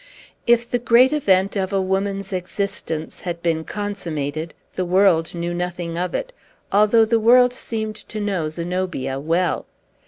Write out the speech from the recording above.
If the great event of a woman's existence had been consummated, the world knew nothing of it, although the world seemed to know Zenobia well.